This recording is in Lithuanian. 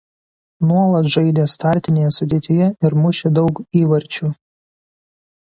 Nuolat žaidė startinėje sudėtyje ir mušė daug įvarčių.